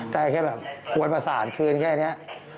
แต่แค่แบบควรประสานคืนแค่นี้